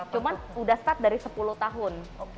cuma sudah start dari sepuluh tahun